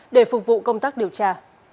để phục vụ công tác điều tra